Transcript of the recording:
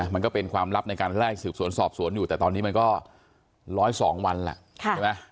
มันก็เป็นความลับในการไล่สืบสวนสอบสวนอยู่แต่ตอนนี้มันก็๑๐๒วันแหละใช่ไหม